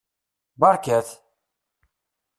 Beṛkat!